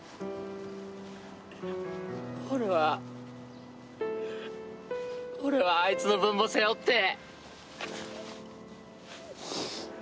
俺は俺はあいつの分も背負って！